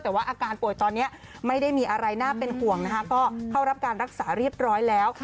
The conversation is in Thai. แต่ว่าอาการป่วยตอนนี้ไม่ได้มีอะไรน่าเป็นห่วงนะคะก็เข้ารับการรักษาเรียบร้อยแล้ว